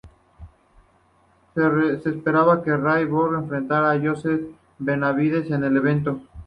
Se esperaba que Ray Borg enfrentara a Joseph Benavidez en el evento.